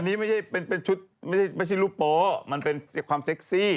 อันนี้มันไม่ใช่ชุดหลูปโปร์มันเป็นที่ความเซ้กซี่